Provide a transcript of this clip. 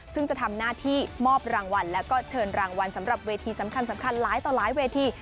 ซึ่งจะทำหน้าที่มอบรางวัลแล้วก็เชิญรางวัลสำหรับเวทีสำคัญหลายต่อหลายเวที